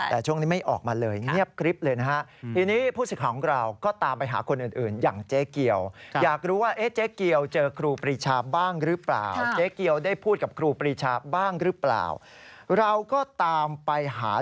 แต่ช่วงนี้ไม่ออกมาเลยเงียบกริ๊บเลยนะฮะ